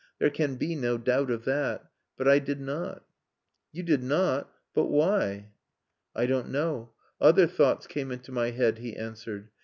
There can be no doubt of that. But I did not." "You did not! But why?" "I don't know. Other thoughts came into my head," he answered.